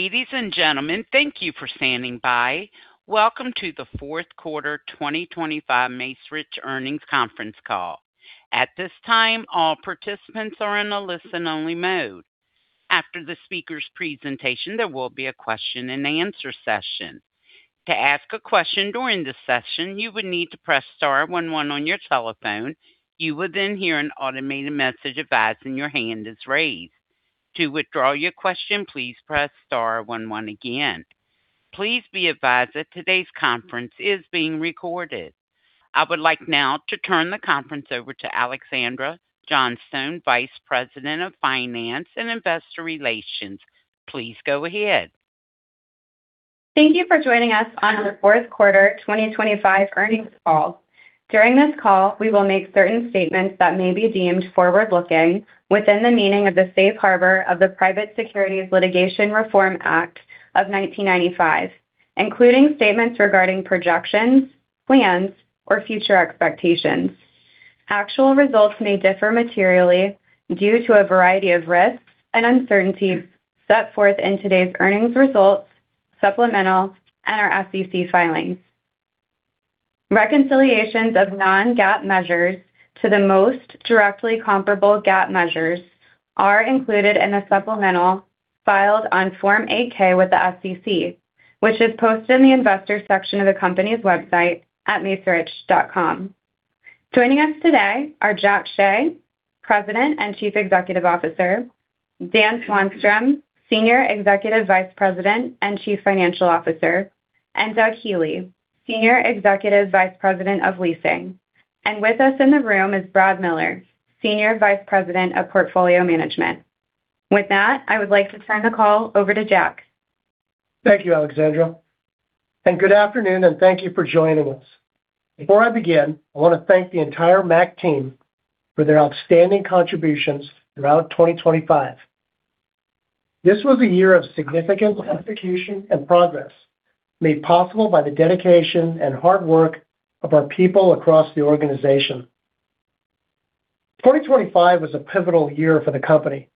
Ladies and gentlemen, thank you for standing by. Welcome to the fourth quarter 2025 Macerich Earnings Conference Call. At this time, all participants are in a listen-only mode. After the speaker's presentation, there will be a question-and-answer session. To ask a question during the session, you would need to press star one one on your telephone. You will then hear an automated message advising your hand is raised. To withdraw your question, please press star one one again. Please be advised that today's conference is being recorded. I would like now to turn the conference over to Alexandra Johnstone, Vice President of Finance and Investor Relations. Please go ahead. Thank you for joining us on the fourth quarter 2025 earnings call. During this call, we will make certain statements that may be deemed forward-looking within the meaning of the Safe Harbor of the Private Securities Litigation Reform Act of 1995, including statements regarding projections, plans, or future expectations. Actual results may differ materially due to a variety of risks and uncertainties set forth in today's earnings results, supplemental, and our SEC filings. Reconciliations of non-GAAP measures to the most directly comparable GAAP measures are included in a supplemental filed on Form 8-K with the SEC, which is posted in the Investors section of the company's website at macerich.com. Joining us today are Jackson Hsieh, President and Chief Executive Officer; Dan Swanstrom, Senior Executive Vice President and Chief Financial Officer; and Doug Healey, Senior Executive Vice President of Leasing. With us in the room is Brad Miller, Senior Vice President of Portfolio Management. With that, I would like to turn the call over to Jack. Thank you, Alexandra, and good afternoon, and thank you for joining us. Before I begin, I want to thank the entire MAC team for their outstanding contributions throughout 2025. This was a year of significant execution and progress, made possible by the dedication and hard work of our people across the organization. 2025 was a pivotal year for the company.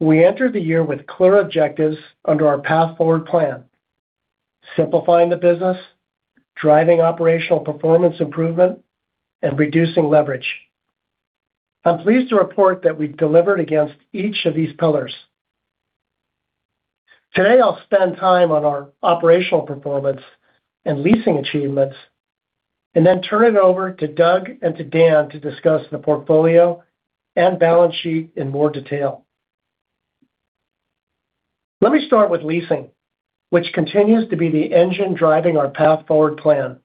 We entered the year with clear objectives under our Path Forward Plan: simplifying the business, driving operational performance improvement, and reducing leverage. I'm pleased to report that we've delivered against each of these pillars. Today, I'll spend time on our operational performance and leasing achievements, and then turn it over to Doug and to Dan to discuss the portfolio and balance sheet in more detail. Let me start with leasing, which continues to be the engine driving our Path Forward Plan.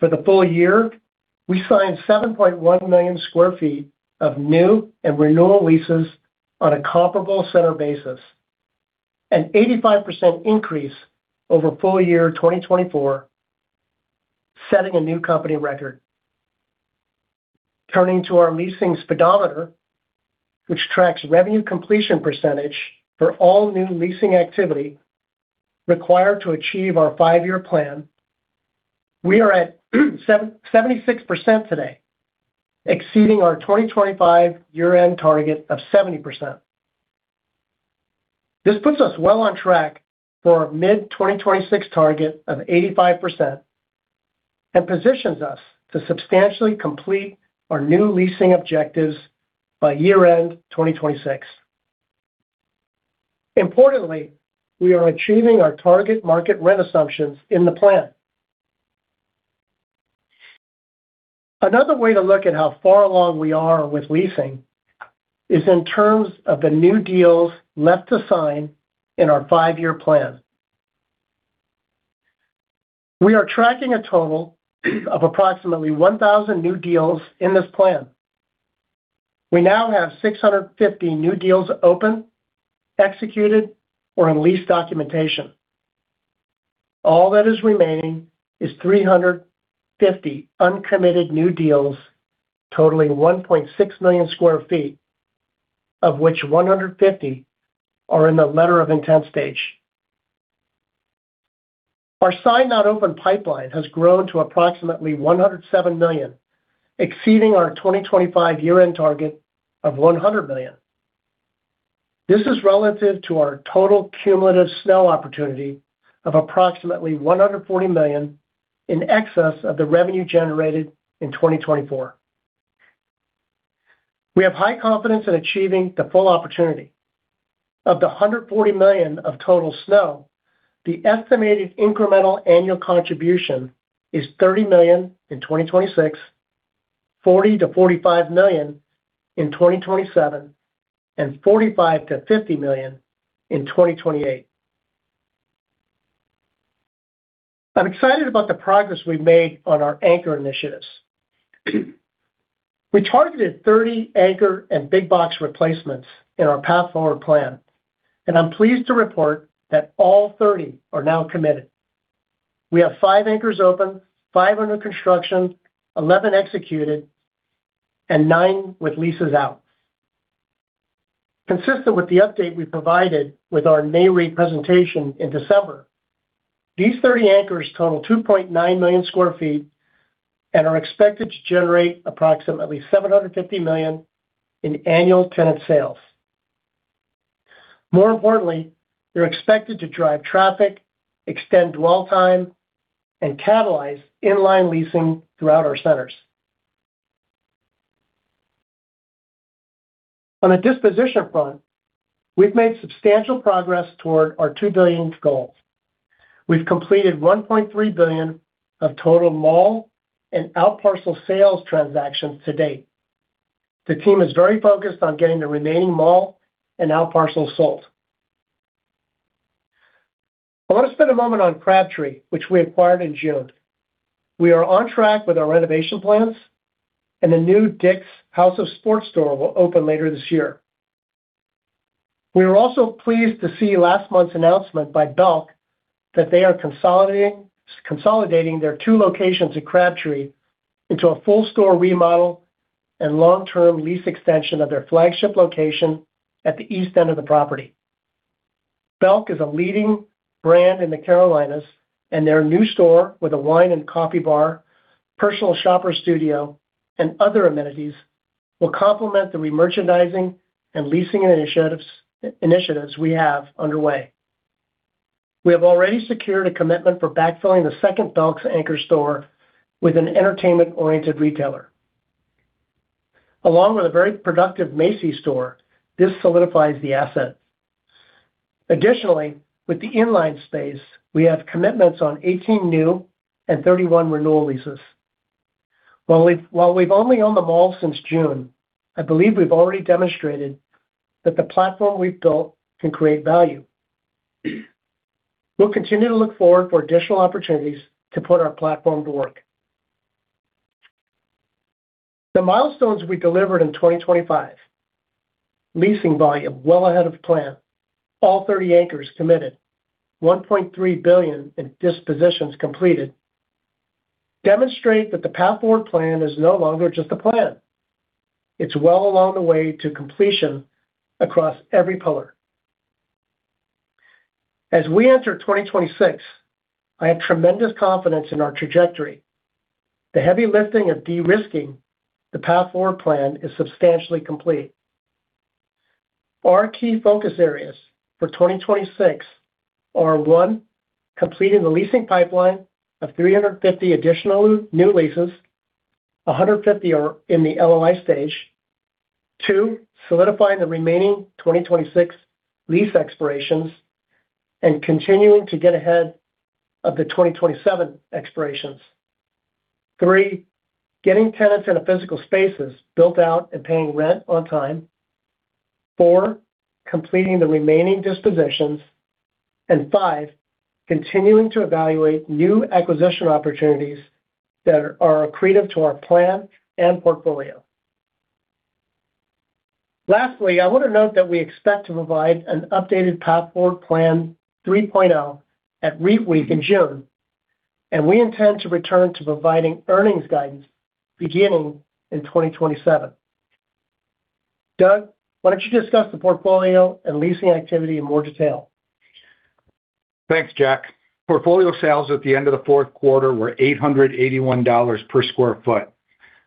For the full year, we signed 7.1 million sq ft of new and renewal leases on a comparable center basis, an 85% increase over full year 2024, setting a new company record. Turning to our Leasing Speedometer, which tracks revenue completion percentage for all new leasing activity required to achieve our five-year plan, we are at 76% today, exceeding our 2025 year-end target of 70%. This puts us well on track for our mid-2026 target of 85% and positions us to substantially complete our new leasing objectives by year-end 2026. Importantly, we are achieving our target market rent assumptions in the plan. Another way to look at how far along we are with leasing is in terms of the new deals left to sign in our five-year plan. We are tracking a total of approximately 1,000 new deals in this plan. We now have 650 new deals open, executed, or on lease documentation. All that is remaining is 350 uncommitted new deals, totaling 1.6 million sq ft, of which 150 are in the letter of intent stage. Our signed non-open pipeline has grown to approximately $107 million, exceeding our 2025 year-end target of $100 million. This is relative to our total cumulative SNO opportunity of approximately $140 million in excess of the revenue generated in 2024. We have high confidence in achieving the full opportunity. Of the $140 million of total SNO, the estimated incremental annual contribution is $30 million in 2026, $40-$45 million in 2027, and $45-$50 million in 2028. I'm excited about the progress we've made on our anchor initiatives. We targeted 30 anchor and big box replacements in our Path Forward plan, and I'm pleased to report that all 30 are now committed. We have five anchors open, five under construction, 11 executed, and nine with leases out. Consistent with the update we provided with our NAREIT presentation in December, these 30 anchors total 2.9 million sq ft and are expected to generate approximately $750 million in annual tenant sales. More importantly, they're expected to drive traffic, extend dwell time, and catalyze inline leasing throughout our centers. On a disposition front, we've made substantial progress toward our $2 billion goals. We've completed $1.3 billion of total mall and outparcel sales transactions to date. The team is very focused on getting the remaining mall and outparcel sold. I want to spend a moment on Crabtree, which we acquired in June. We are on track with our renovation plans, and the new DSG store will open later this year. We were also pleased to see last month's announcement by Belk that they are consolidating their two locations at Crabtree into a full store remodel and long-term lease extension of their flagship location at the east end of the property. Belk is a leading brand in the Carolinas, and their new store, with a wine and coffee bar, personal shopper studio, and other amenities, will complement the remerchandising and leasing initiatives, initiatives we have underway. We have already secured a commitment for backfilling the second Belk's anchor store with an entertainment-oriented retailer. Along with a very productive Macy's store, this solidifies the asset. Additionally, with the inline space, we have commitments on 18 new and 31 renewal leases. While we've only owned the mall since June, I believe we've already demonstrated that the platform we've built can create value. We'll continue to look forward for additional opportunities to put our platform to work. The milestones we delivered in 2025, leasing volume well ahead of plan, all 30 anchors committed, $1.3 billion in dispositions completed, demonstrate that the Path Forward Plan is no longer just a plan. It's well along the way to completion across every pillar. As we enter 2026, I have tremendous confidence in our trajectory. The heavy lifting of de-risking the Path Forward Plan is substantially complete. Our key focus areas for 2026 are, one, completing the leasing pipeline of 350 additional new leases, 150 are in the LOI stage. Two, solidifying the remaining 2026 lease expirations and continuing to get ahead of the 2027 expirations. Three, getting tenants into physical spaces built out and paying rent on time. Four, completing the remaining dispositions. And five, continuing to evaluate new acquisition opportunities that are accretive to our plan and portfolio. Lastly, I want to note that we expect to provide an updated Path Forward Plan 3.0 at REITWeek in June, and we intend to return to providing earnings guidance beginning in 2027. Doug, why don't you discuss the portfolio and leasing activity in more detail? Thanks, Jack. Portfolio sales at the end of the fourth quarter were $881 per sq ft.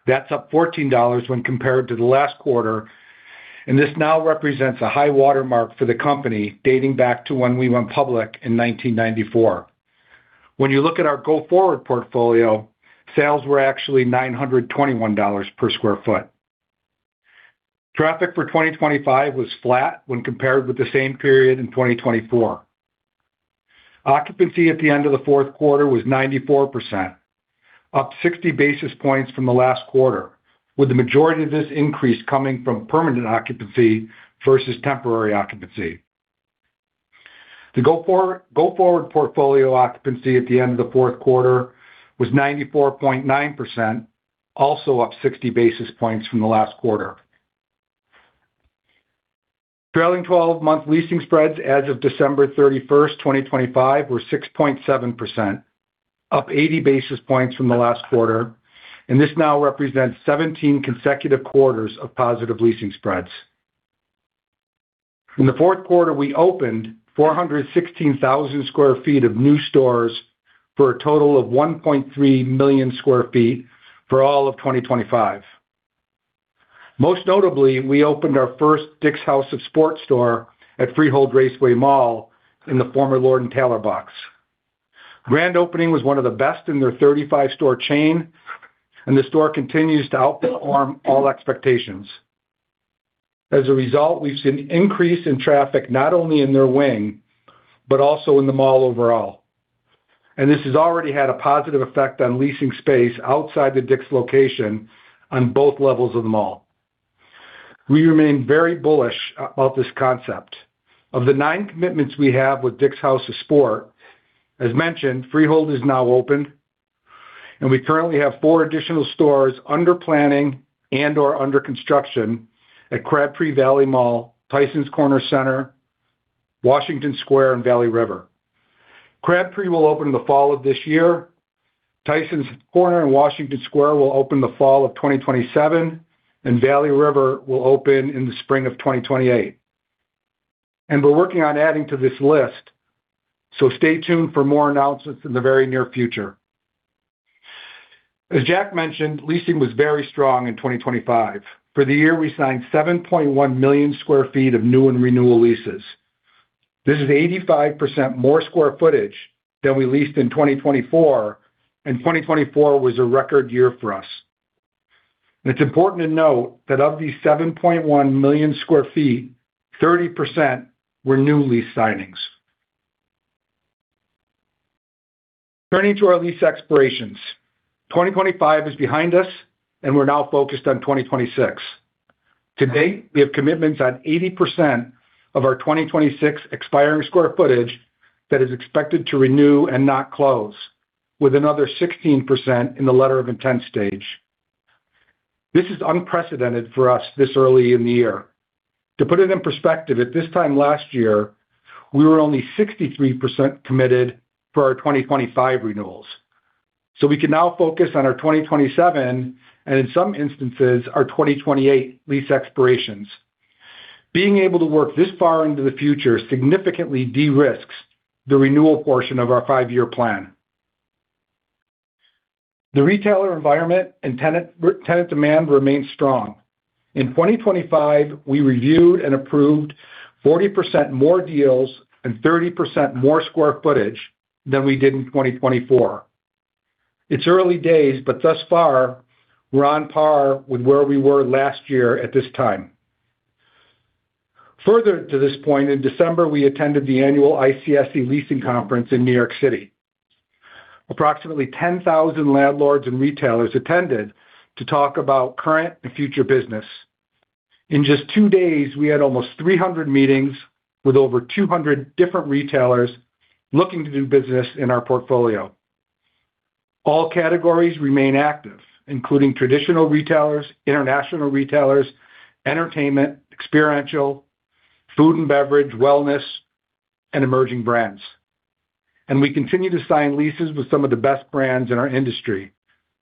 That's up $14 when compared to the last quarter, and this now represents a high watermark for the company, dating back to when we went public in 1994. When you look at our go-forward portfolio, sales were actually $921 per sq ft. Traffic for 2025 was flat when compared with the same period in 2024. Occupancy at the end of the fourth quarter was 94%, up 60 basis points from the last quarter, with the majority of this increase coming from permanent occupancy versus temporary occupancy. The go-forward portfolio occupancy at the end of the fourth quarter was 94.9%, also up 60 basis points from the last quarter. Trailing twelve-month leasing spreads as of December 31st, 2025, were 6.7%, up 80 basis points from the last quarter, and this now represents 17 consecutive quarters of positive leasing spreads. In the fourth quarter, we opened 416,000 sq ft of new stores for a total of 1.3 million sq ft for all of 2025. Most notably, we opened our first DSG store at Freehold Raceway Mall in the former Lord & Taylor box. Grand opening was one of the best in their 35-store chain, and the store continues to outperform all expectations. As a result, we've seen increase in traffic, not only in their wing, but also in the mall overall. This has already had a positive effect on leasing space outside the D location on both levels of the mall. We remain very bullish about this concept. Of the nine commitments we have with DSG, as mentioned, Freehold is now open, and we currently have four additional stores under planning and/or under construction at Crabtree Valley Mall, Tysons Corner Center, Washington Square, and Valley River. Crabtree will open in the fall of this year. Tysons Corner and Washington Square will open the fall of 2027, and Valley River will open in the spring of 2028. We're working on adding to this list, so stay tuned for more announcements in the very near future. As Jack mentioned, leasing was very strong in 2025. For the year, we signed 7.1 million sq ft of new and renewal leases. This is 85% more square footage than we leased in 2024, and 2024 was a record year for us. It's important to note that of these 7.1 million sq ft, 30% were new lease signings. Turning to our lease expirations. 2025 is behind us, and we're now focused on 2026. To date, we have commitments on 80% of our 2026 expiring sq ft that is expected to renew and not close, with another 16% in the letter of intent stage. This is unprecedented for us this early in the year. To put it in perspective, at this time last year, we were only 63% committed for our 2025 renewals. We can now focus on our 2027, and in some instances, our 2028 lease expirations. Being able to work this far into the future significantly de-risks the renewal portion of our five-year plan. The retailer environment and tenant, tenant demand remains strong. In 2025, we reviewed and approved 40% more deals and 30% more square footage than we did in 2024. It's early days, but thus far, we're on par with where we were last year at this time. Further to this point, in December, we attended the annual ICSC Leasing Conference in New York City. Approximately 10,000 landlords and retailers attended to talk about current and future business. In just two days, we had almost 300 meetings with over 200 different retailers looking to do business in our portfolio. All categories remain active, including traditional retailers, international retailers, entertainment, experiential, food and beverage, wellness, and emerging brands. We continue to sign leases with some of the best brands in our industry,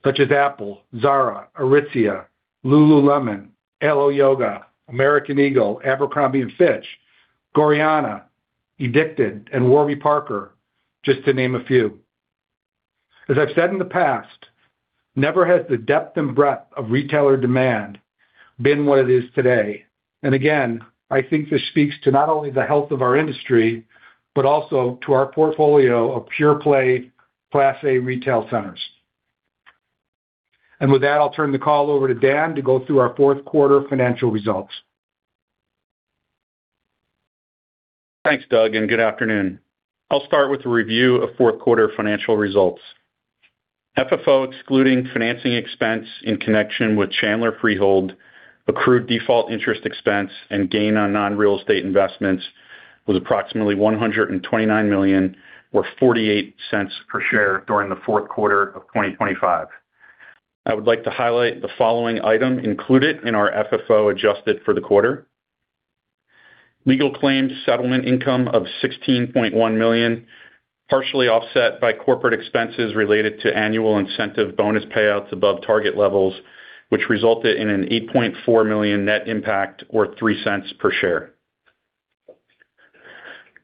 such as Apple, Zara, Aritzia, Lululemon, Alo Yoga, American Eagle, Abercrombie & Fitch, Gorjana, Edikted, and Warby Parker, just to name a few. As I've said in the past, never has the depth and breadth of retailer demand been what it is today. Again, I think this speaks to not only the health of our industry, but also to our portfolio of pure-play Class A retail centers. With that, I'll turn the call over to Dan to go through our fourth quarter financial results. Thanks, Doug, and good afternoon. I'll start with a review of fourth quarter financial results. FFO, excluding financing expense in connection with Chandler Freehold, accrued default interest expense, and gain on nonreal estate investments, was approximately $129 million or $0.48 per share during the fourth quarter of 2025. I would like to highlight the following item included in our FFO adjusted for the quarter. Legal claims settlement income of $16.1 million, partially offset by corporate expenses related to annual incentive bonus payouts above target levels, which resulted in an $8.4 million net impact or $0.03 per share.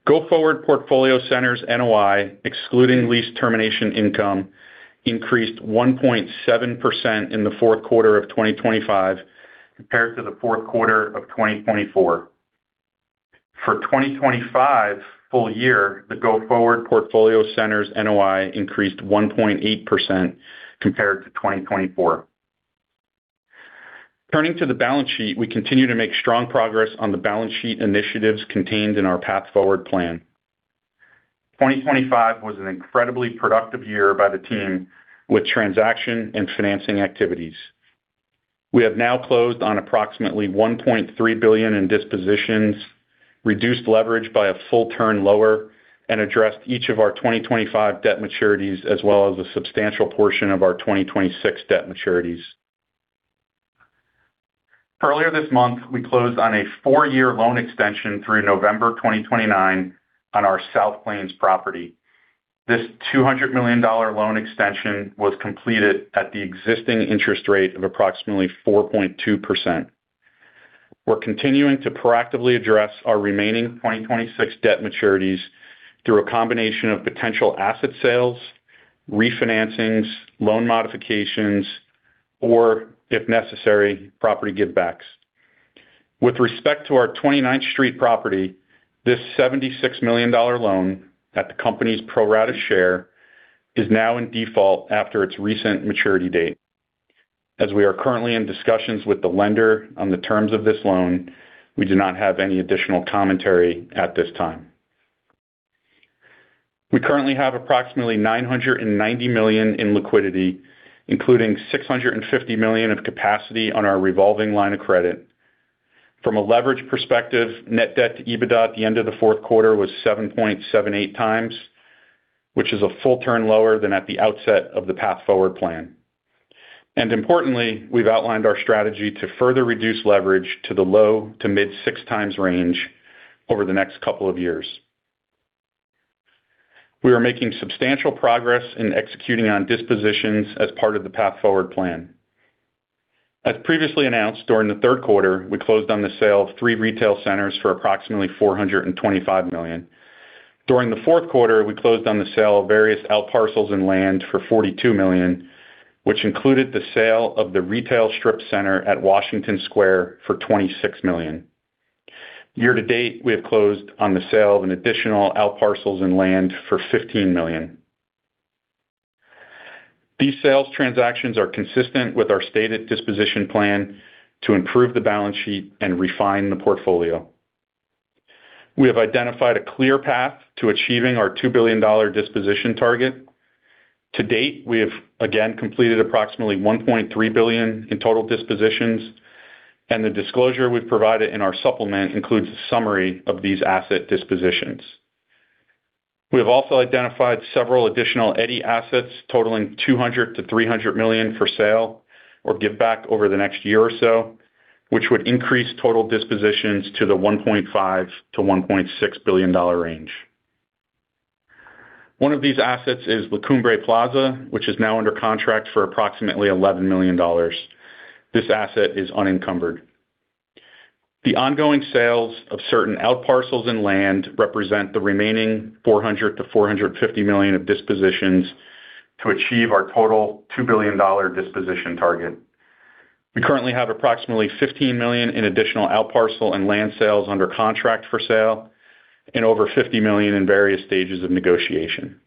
Go-forward portfolio centers NOI, excluding lease termination income, increased 1.7% in the fourth quarter of 2025 compared to the fourth quarter of 2024. For 2025 full year, the go-forward portfolio centers NOI increased 1.8% compared to 2024. Turning to the balance sheet, we continue to make strong progress on the balance sheet initiatives contained in our Path Forward plan. 2025 was an incredibly productive year by the team with transaction and financing activities. We have now closed on approximately $1.3 billion in dispositions, reduced leverage by a full turn lower, and addressed each of our 2025 debt maturities, as well as a substantial portion of our 2026 debt maturities. Earlier this month, we closed on a four-year loan extension through November 2029 on our South Plains property. This $200 million loan extension was completed at the existing interest rate of approximately 4.2%. We're continuing to proactively address our remaining 2026 debt maturities through a combination of potential asset sales, refinancings, loan modifications, or, if necessary, property givebacks. With respect to our Twenty Ninth Street property, this $76 million loan at the company's pro rata share is now in default after its recent maturity date. As we are currently in discussions with the lender on the terms of this loan, we do not have any additional commentary at this time. We currently have approximately $990 million in liquidity, including $650 million of capacity on our revolving line of credit. From a leverage perspective, net debt to EBITDA at the end of the fourth quarter was 7.78x, which is a full turn lower than at the outset of the Path Forward plan. Importantly, we've outlined our strategy to further reduce leverage to the low to mid-6x range over the next couple of years. We are making substantial progress in executing on dispositions as part of the Path Forward plan. As previously announced, during the third quarter, we closed on the sale of three retail centers for approximately $425 million. During the fourth quarter, we closed on the sale of various outparcels and land for $42 million, which included the sale of the retail strip center at Washington Square for $26 million. Year to date, we have closed on the sale of additional outparcels and land for $15 million. These sales transactions are consistent with our stated disposition plan to improve the balance sheet and refine the portfolio. We have identified a clear path to achieving our $2 billion disposition target. To date, we have again completed approximately $1.3 billion in total dispositions, and the disclosure we've provided in our supplement includes a summary of these asset dispositions. We have also identified several additional unencumbered assets totaling $200 million-$300 million for sale, or give back over the next year or so, which would increase total dispositions to the $1.5 billion-$1.6 billion range. One of these assets is La Cumbre Plaza, which is now under contract for approximately $11 million. This asset is unencumbered. The ongoing sales of certain outparcels and land represent the remaining $400 million-$450 million of dispositions to achieve our total $2 billion disposition target. We currently have approximately $15 million in additional outparcel and land sales under contract for sale and over $50 million in various stages of negotiation.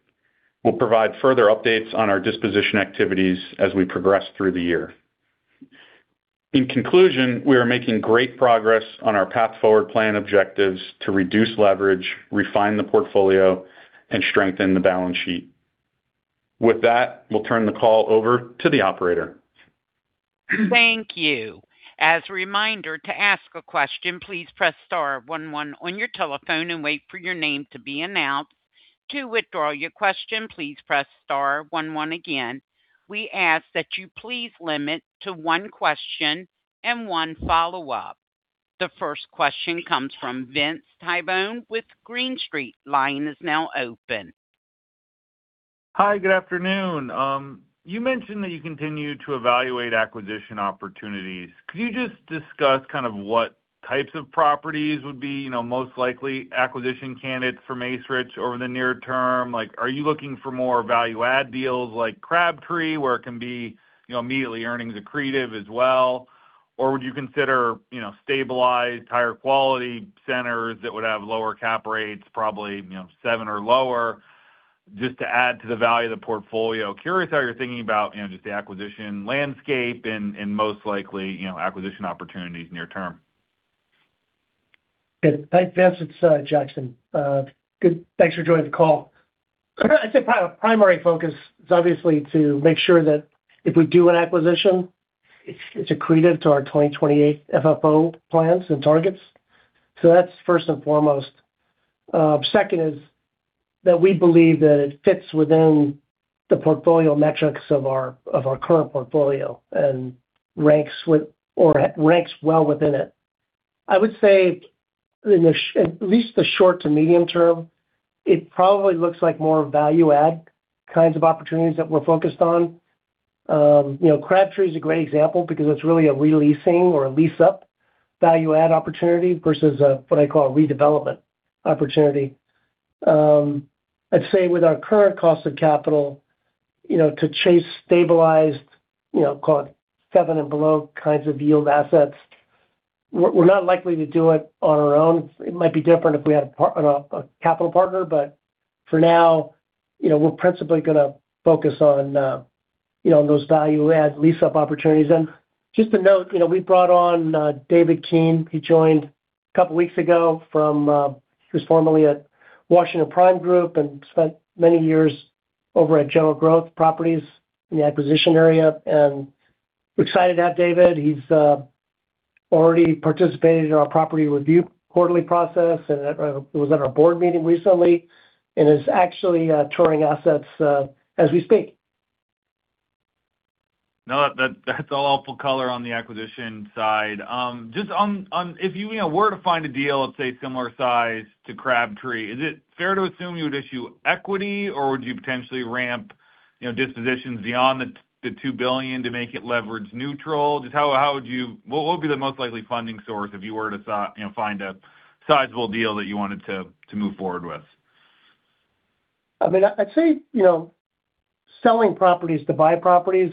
We'll provide further updates on our disposition activities as we progress through the year. In conclusion, we are making great progress on our Path Forward Plan objectives to reduce leverage, refine the portfolio, and strengthen the balance sheet. With that, we'll turn the call over to the operator. Thank you. As a reminder, to ask a question, please press star one one on your telephone and wait for your name to be announced. To withdraw your question, please press star one one again. We ask that you please limit to one question and one follow-up. The first question comes from Vince Tibone with Green Street. Line is now open. Hi, good afternoon. You mentioned that you continue to evaluate acquisition opportunities. Could you just discuss kind of what types of properties would be, you know, most likely acquisition candidates for Macerich over the near term? Like, are you looking for more value add deals like Crabtree, where it can be, you know, immediately earnings accretive as well? Or would you consider, you know, stabilized higher quality centers that would have lower cap rates, probably, you know, seven or lower, just to add to the value of the portfolio? Curious how you're thinking about, you know, just the acquisition landscape and most likely, you know, acquisition opportunities near term. Good. Thanks, Vince. It's Jackson. Good. Thanks for joining the call. I'd say primary focus is obviously to make sure that if we do an acquisition, it's, it's accretive to our 2028 FFO plans and targets. So that's first and foremost. Second is that we believe that it fits within the portfolio metrics of our current portfolio and ranks with or ranks well within it. I would say, in the short to medium term, it probably looks like more value add kinds of opportunities that we're focused on. You know, Crabtree is a great example because it's really a re-leasing or a lease-up value add opportunity versus a what I call a redevelopment opportunity. I'd say with our current cost of capital, you know, to chase stabilized, you know, call it seven and below kinds of yield assets, we're not likely to do it on our own. It might be different if we had a capital partner, but for now, you know, we're principally going to focus on, you know, those value add lease-up opportunities. Just to note, you know, we brought on David Keane. He joined a couple of weeks ago from, he was formerly at Washington Prime Group and spent many years over at General Growth Properties in the acquisition area, and we're excited to have David. He's already participated in our property review quarterly process and was at our board meeting recently, and is actually touring assets as we speak. No, that, that's a lot full color on the acquisition side. Just on, if you, you know, were to find a deal of, say, similar size to Crabtree, is it fair to assume you would issue equity, or would you potentially ramp, you know, dispositions beyond the $2 billion to make it leverage neutral? Just how would you-- what would be the most likely funding source if you were to, so, you know, find a sizable deal that you wanted to move forward with? I mean, I'd say, you know, selling properties to buy properties,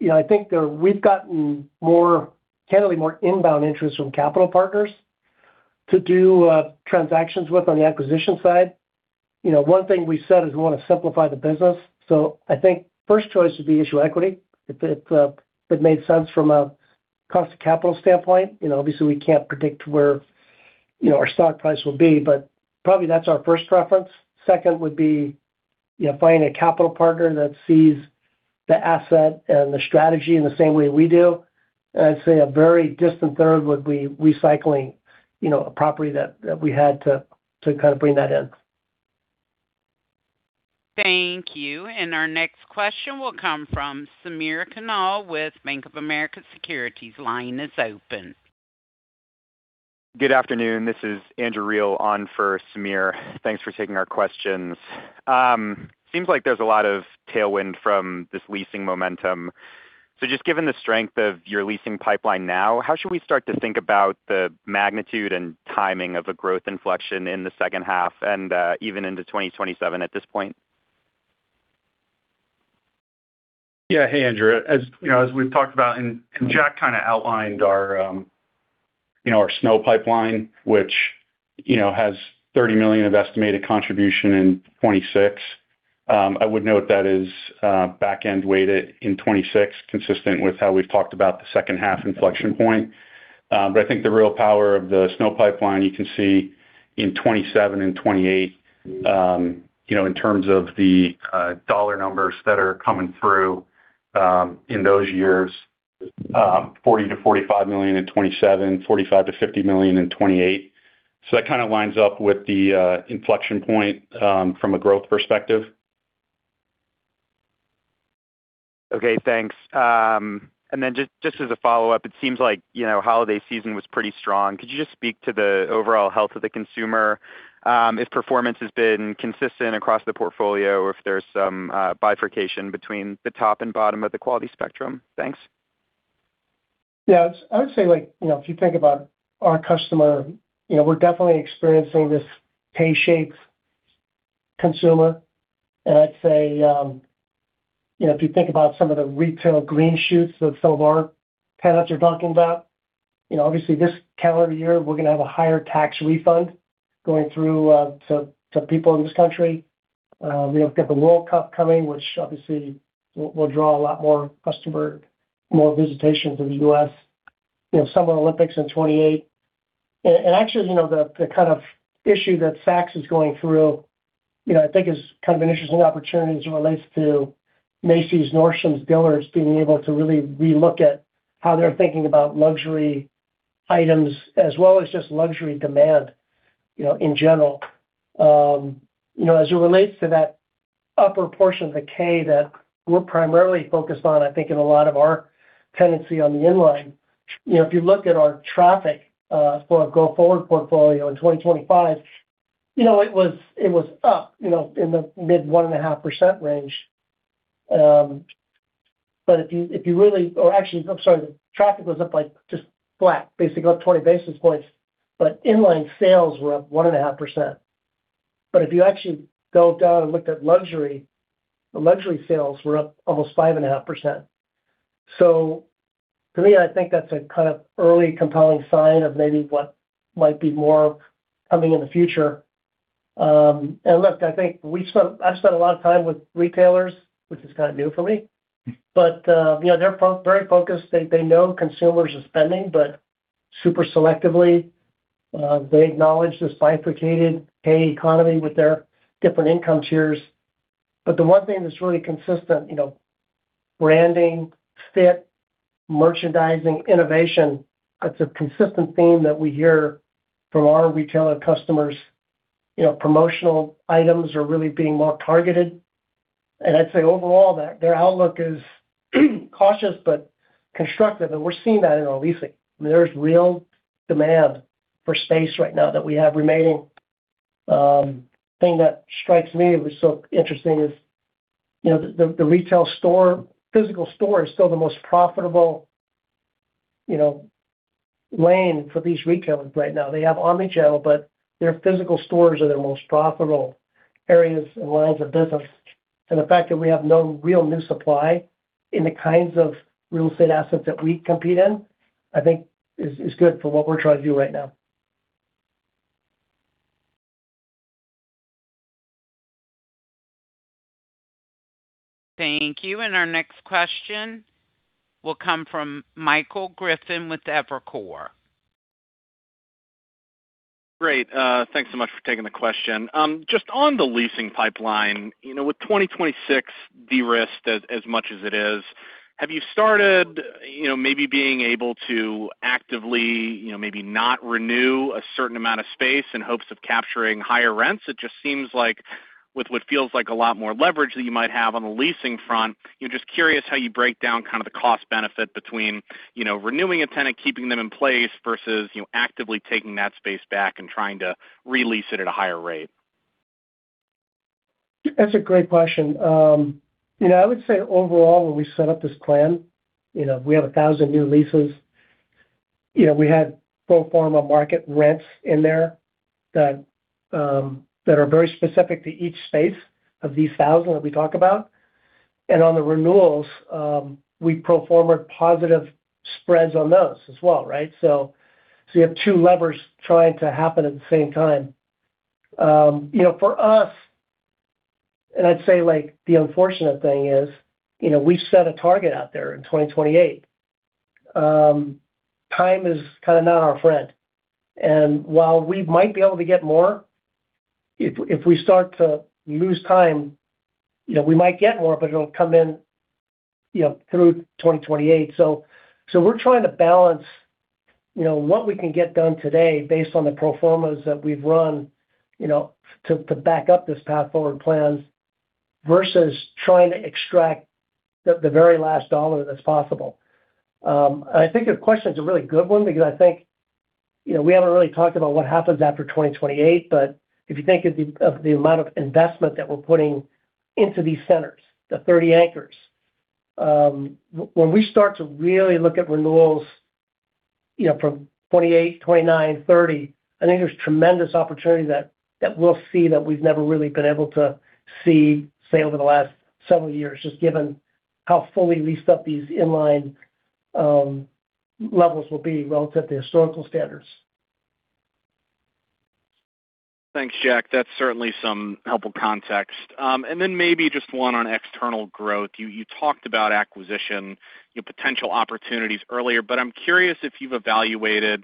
you know, I think there we've gotten more, candidly, more inbound interest from capital partners to do transactions with on the acquisition side. You know, one thing we said is we want to simplify the business. So I think first choice would be issue equity. If it made sense from a cost capital standpoint. You know, obviously, we can't predict where, you know, our stock price will be, but probably that's our first preference. Second would be, you know, finding a capital partner that sees the asset and the strategy in the same way we do. And I'd say a very distant third would be recycling, you know, a property that we had to kind of bring that in. Thank you. Our next question will come from Samir Khanal with Bank of America Securities. Line is open. Good afternoon. This is Andrew Reale on for Samir. Thanks for taking our questions. Seems like there's a lot of tailwind from this leasing momentum. So just given the strength of your leasing pipeline now, how should we start to think about the magnitude and timing of a growth inflection in the second half and even into 2027 at this point? Yeah. Hey, Andrew. As you know, as we've talked about, and Jack kind of outlined our SNO pipeline, which you know has $30 million of estimated contribution in 2026. I would note that is back-end weighted in 2026, consistent with how we've talked about the second half inflection point. But I think the real power of the SNO pipeline, you can see in 2027 and 2028, you know, in terms of the dollar numbers that are coming through in those years, $40 million-$45 million in 2027, $45 million-$50 million in 2028. So that kind of lines up with the inflection point from a growth perspective. Okay, thanks. And then just, just as a follow-up, it seems like, you know, holiday season was pretty strong. Could you just speak to the overall health of the consumer, if performance has been consistent across the portfolio, or if there's some bifurcation between the top and bottom of the quality spectrum? Thanks. Yeah, I would say, like, you know, if you think about our customer, you know, we're definitely experiencing this K-shaped consumer. And I'd say, you know, if you think about some of the retail green shoots that some of our tenants are talking about, you know, obviously this calendar year, we're going to have a higher tax refund going through, to people in this country. We've got the World Cup coming, which obviously will draw a lot more customer, more visitations in the U.S. You know, Summer Olympics in 2028. And actually, you know, the kind of issue that Saks is going through, you know, I think is kind of an interesting opportunity as it relates to Macy's, Nordstrom's, Dillard's, being able to really relook at how they're thinking about luxury items, as well as just luxury demand, you know, in general. You know, as it relates to that upper portion of the K that we're primarily focused on, I think in a lot of our tenancy on the inline, you know, if you look at our traffic for a go-forward portfolio in 2025, you know, it was, it was up, you know, in the mid 1.5% range. But actually, I'm sorry, the traffic was up, like, just flat, basically up 20 basis points, but inline sales were up 1.5%. But if you actually delved down and looked at luxury, the luxury sales were up almost 5.5%. So to me, I think that's a kind of early compelling sign of maybe what might be more coming in the future. I think we spent-- I've spent a lot of time with retailers, which is kind of new for me, but, you know, they're very focused. They know consumers are spending, but super selectively. They acknowledge this bifurcated pay economy with their different income tiers. The one thing that's really consistent, you know, branding, fit, merchandising, innovation, that's a consistent theme that we hear from our retailer customers. You know, promotional items are really being more targeted. I'd say overall, their outlook is cautious but constructive, and we're seeing that in our leasing. There's real demand for space right now that we have remaining. The thing that strikes me, which is so interesting, is, you know, the retail store, physical store is still the most profitable, you know, lane for these retailers right now. They have omnichannel, but their physical stores are their most profitable areas and lines of business. The fact that we have no real new supply in the kinds of real estate assets that we compete in, I think is good for what we're trying to do right now. Thank you. Our next question will come from Michael Griffin with Evercore. Great. Thanks so much for taking the question. Just on the leasing pipeline, you know, with 2026 de-risked as much as it is, have you started, you know, maybe being able to actively, you know, maybe not renew a certain amount of space in hopes of capturing higher rents? It just seems like with what feels like a lot more leverage that you might have on the leasing front. I'm just curious how you break down kind of the cost benefit between, you know, renewing a tenant, keeping them in place, versus, you know, actively taking that space back and trying to re-lease it at a higher rate. That's a great question. You know, I would say overall, when we set up this plan, you know, we have 1,000 new leases. You know, we had pro forma market rents in there that, that are very specific to each space of these 1,000 that we talk about. And on the renewals, we pro forma positive spreads on those as well, right? So you have two levers trying to happen at the same time. You know, for us, and I'd say, like, the unfortunate thing is, you know, we've set a target out there in 2028. Time is kind of not our friend. And while we might be able to get more, if we start to lose time, you know, we might get more, but it'll come in, you know, through 2028. So, we're trying to balance, you know, what we can get done today based on the pro formas that we've run, you know, to, to back up this path forward plans, versus trying to extract the, the very last dollar that's possible. I think your question's a really good one because I think, you know, we haven't really talked about what happens after 2028, but if you think of the, of the amount of investment that we're putting into these centers, the 30 anchors, when we start to really look at renewals, you know, from 2028, 2029, 2030, I think there's tremendous opportunity that, that we'll see that we've never really been able to see, say, over the last several years, just given how fully leased up these inline levels will be relative to historical standards. Thanks, Jack. That's certainly some helpful context. And then maybe just one on external growth. You talked about acquisition, you know, potential opportunities earlier, but I'm curious if you've evaluated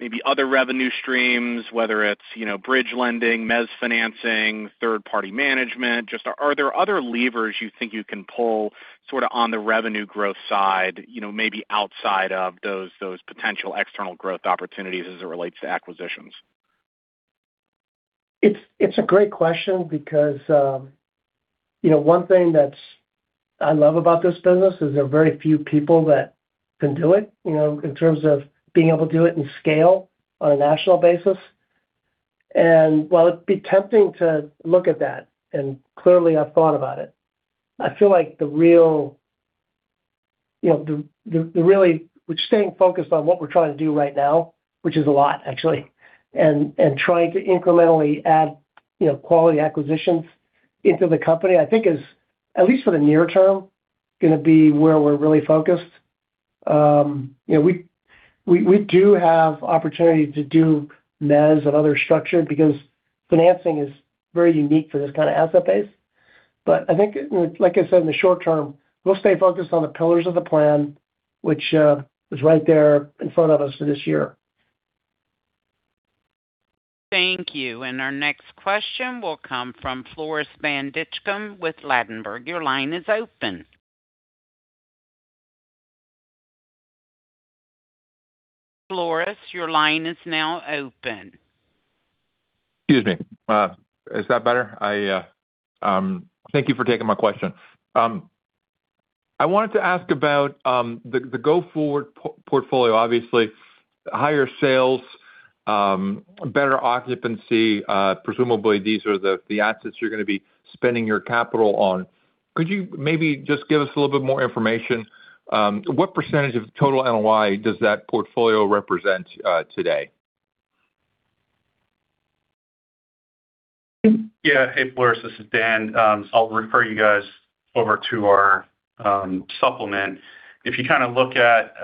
maybe other revenue streams, whether it's, you know, bridge lending, mezz financing, third-party management. Just are there other levers you think you can pull sort of on the revenue growth side, you know, maybe outside of those potential external growth opportunities as it relates to acquisitions? It's a great question because, you know, one thing that's I love about this business is there are very few people that can do it, you know, in terms of being able to do it in scale on a national basis. And while it'd be tempting to look at that, and clearly I've thought about it, I feel like the real, you know, the really, we're staying focused on what we're trying to do right now, which is a lot actually, and trying to incrementally add, you know, quality acquisitions into the company, I think is, at least for the near term, going to be where we're really focused. You know, we do have opportunity to do mezz and other structured, because financing is very unique for this kind of asset base. But I think, like I said, in the short term, we'll stay focused on the pillars of the plan, which is right there in front of us for this year. Thank you. Our next question will come from Floris van Dijkum with Ladenburg. Your line is open. Floris, your line is now open. Excuse me. Is that better? Thank you for taking my question. I wanted to ask about the go-forward portfolio. Obviously, higher sales, better occupancy, presumably these are the assets you're going to be spending your capital on. Could you maybe just give us a little bit more information, what percentage of total NOI does that portfolio represent, today? Yeah. Hey, Floris, this is Dan. I'll refer you guys over to our supplement. If you kind of look at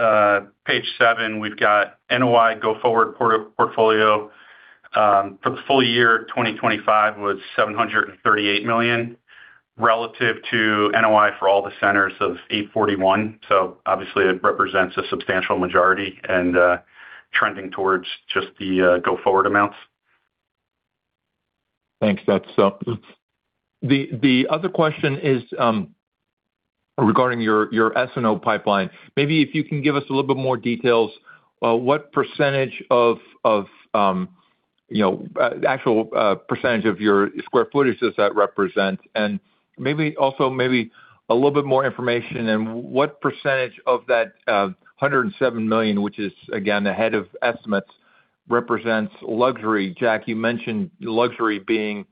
page seven, we've got NOI go-forward portfolio for the full year, 2025 was $738 million, relative to NOI for all the centers of $841 million. So obviously, it represents a substantial majority and trending towards just the go-forward amounts. Thanks. That's helpful. The other question is, regarding your SNO pipeline. Maybe if you can give us a little bit more details, what percentage of, you know, actual percentage of your square footage does that represent? Maybe also maybe a little bit more information, and what percentage of that $107 million, which is again, ahead of estimates, represents luxury? Jack, you mentioned luxury being,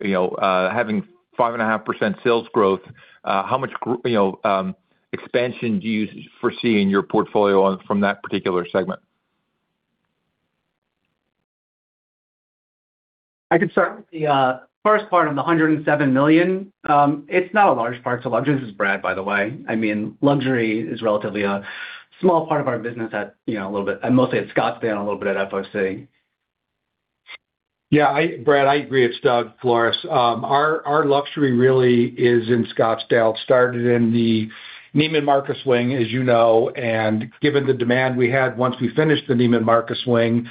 you know, having 5.5% sales growth. How much gr- you know, expansion do you foresee in your portfolio on from that particular segment? I could start with the first part on the $107 million. It's not a large part to luxury. This is Brad, by the way. I mean, luxury is relatively a small part of our business at, you know, a little bit, and mostly at Scottsdale and a little bit at FOC. Yeah, I-- Brad, I agree. It's Doug Floris. Our luxury really is in Scottsdale, started in the Neiman Marcus wing, as you know, and given the demand we had once we finished the Neiman Marcus wing,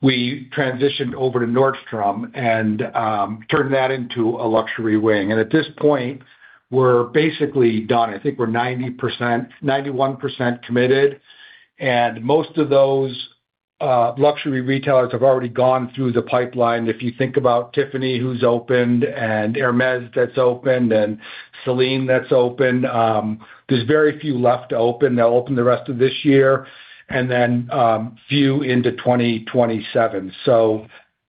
we transitioned over to Nordstrom and turned that into a luxury wing. At this point, we're basically done. I think we're 90%, 91% committed, and most of those luxury retailers have already gone through the pipeline. If you think about Tiffany, who's opened, and Hermès that's opened, and Celine that's opened, there's very few left to open. They'll open the rest of this year and then a few into 2027.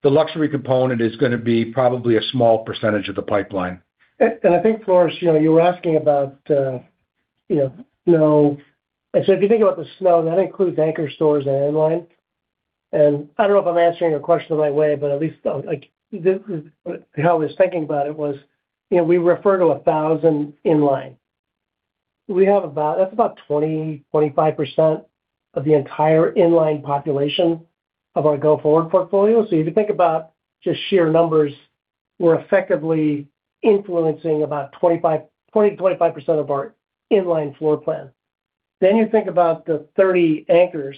The luxury component is going to be probably a small percentage of the pipeline. I think, Floris, you know, you were asking about, you know, and so if you think about the SNO, that includes anchor stores and inline. And I don't know if I'm answering your question the right way, but at least, like, the, how I was thinking about it was, you know, we refer to 1,000 inline. We have about. That's about 20%-25% of the entire inline population of our go-forward portfolio. So if you think about just sheer numbers, we're effectively influencing about 20%-25% of our inline floor plan. Then you think about the 30 anchors,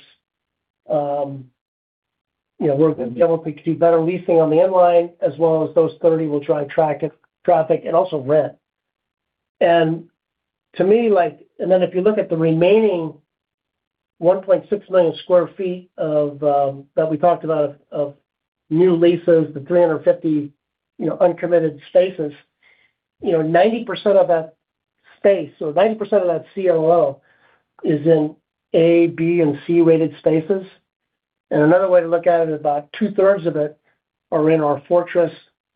you know, we're definitely could do better leasing on the inline as well as those 30 will drive traffic, traffic and also rent. To me, like-- and then if you look at the remaining 1.6 million sq ft of that we talked about of new leases, the 350, you know, uncommitted spaces, you know, 90% of that space or 90% of that GLA is in A, B, and C-rated spaces. And another way to look at it, about two-thirds of it are in our fortress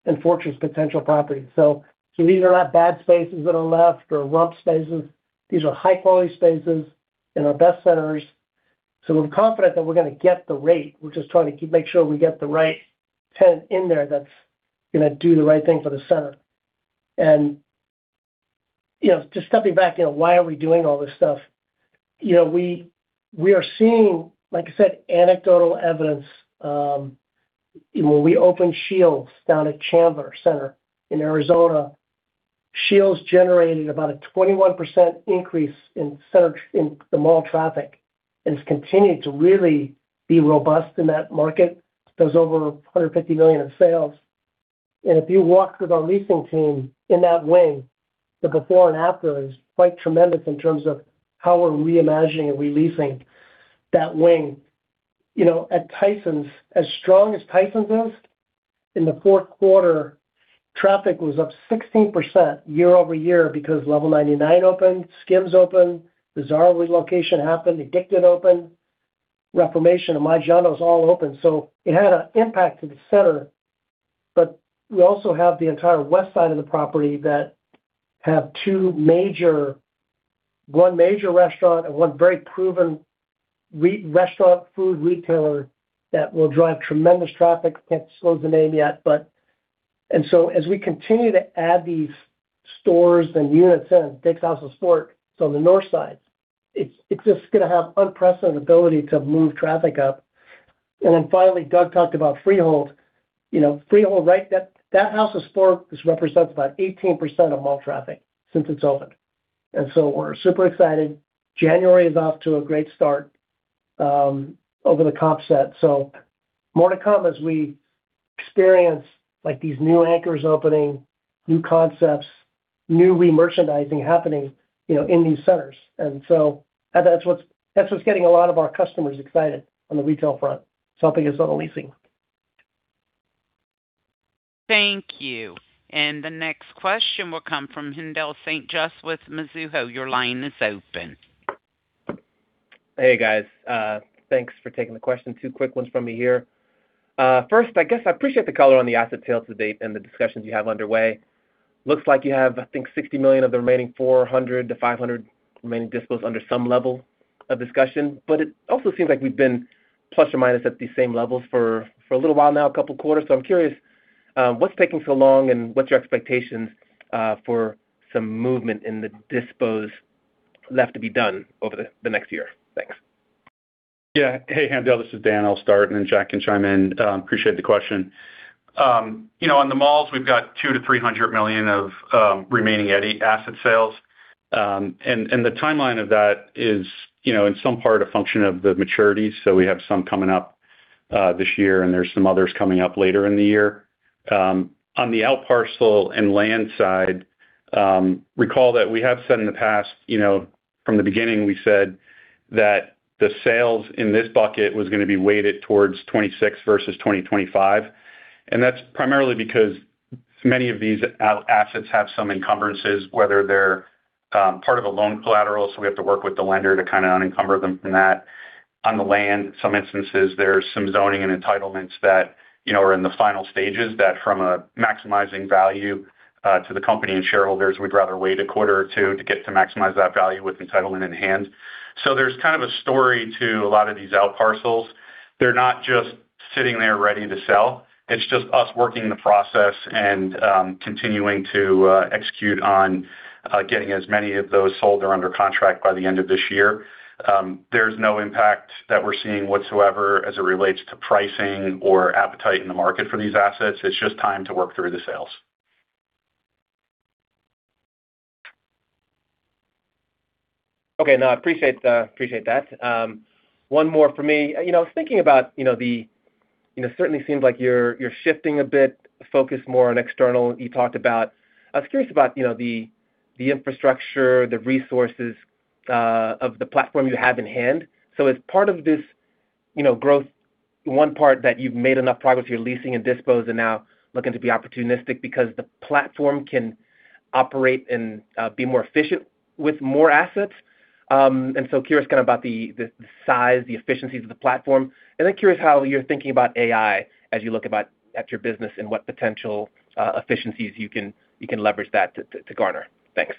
and fortress potential properties. So these are not bad spaces that are left or rump spaces. These are high-quality spaces in our best centers. So we're confident that we're gonna get the rate. We're just trying to keep-- make sure we get the right tenant in there that's gonna do the right thing for the center. And, you know, just stepping back, you know, why are we doing all this stuff? You know, we are seeing, like I said, anecdotal evidence. When we opened SCHEELS down at Chandler Center in Arizona, SCHEELS generated about a 21% increase in center in the mall traffic, and it's continued to really be robust in that market. Does over $150 million in sales. And if you walk with our leasing team in that wing, the before and after is quite tremendous in terms of how we're reimagining and re-leasing that wing. You know, at Tysons, as strong as Tysons is, in the fourth quarter, traffic was up 16% year-over-year because Level99 opened, SKIMS opened, the Zara relocation happened, Edikted opened, Reformation, Maggiano's, all opened. So it had an impact to the center. But we also have the entire west side of the property that have two major. One major restaurant and one very proven restaurant food retailer that will drive tremendous traffic. Can't disclose the name yet, but and so as we continue to add these stores and units in, DSG on the north side, it's, it's just gonna have unprecedented ability to move traffic up. And then finally, Doug talked about Freehold. You know, Freehold, right, that, that House of Sport has represented about 18% of mall traffic since it's opened. And so we're super excited. January is off to a great start over the comp set. So more to come as we experience, like, these new anchors opening, new concepts, new remerchandising happening, you know, in these centers. And so that's what's, that's what's getting a lot of our customers excited on the retail front, helping us on the leasing. Thank you. And the next question will come from Haendel St. Juste with Mizuho. Your line is open. Hey, guys. Thanks for taking the question. Two quick ones from me here. First, I guess I appreciate the color on the asset sale to date and the discussions you have underway. Looks like you have, I think, $60 million of the remaining $400 million-$500 million dispos under some level of discussion, but it also seems like we've been plus and minus at the same level for a little while now, a couple of quarters. So I'm curious, what's taking so long, and what's your expectations for some movement in the dispos left to be done over the next year? Thanks. Yeah. Hey, Haendel, this is Dan. I'll start, and then Jack can chime in. Appreciate the question. You know, on the malls, we've got $200 million-$300 million of remaining Eddie asset sales, and the timeline of that is, you know, in some part, a function of the maturities. We have some coming up this year, and there's some others coming up later in the year. On the out parcel and land side, recall that we have said in the past, you know, from the beginning, we said that the sales in this bucket was gonna be weighted towards 2026 versus 2025, and that's primarily because many of these out assets have some encumbrances, whether they're part of a loan collateral, so we have to work with the lender to kind of unencumber them from that. On the land, some instances, there's some zoning and entitlements that, you know, are in the final stages, that from a maximizing value to the company and shareholders, we'd rather wait a quarter or two to get to maximize that value with entitlement in hand. So there's kind of a story to a lot of these out parcels. They're not just sitting there ready to sell. It's just us working the process and, continuing to, execute on, getting as many of those sold or under contract by the end of this year. There's no impact that we're seeing whatsoever as it relates to pricing or appetite in the market for these assets. It's just time to work through the sales. Okay, now, I appreciate that. One more for me. You know, thinking about, you know, certainly seems like you're shifting a bit, focus more on external, you talked about. I was curious about, you know, the infrastructure, the resources of the platform you have in hand. So as part of this, you know, growth, one part that you've made enough progress, you're leasing and dispositions and now looking to be opportunistic because the platform can operate and be more efficient with more assets. And so curious kind of about the size, the efficiencies of the platform. And then curious how you're thinking about AI as you look at your business and what potential efficiencies you can leverage that to garner. Thanks.